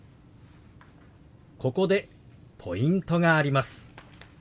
ここでポイントがあります。